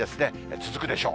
続くでしょう。